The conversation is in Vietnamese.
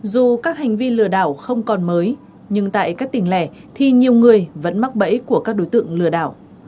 dù các hành vi lừa đảo không còn mới nhưng tại các tỉnh lẻ thì nhiều người vẫn mắc bẫy của các đối tượng lừa đảo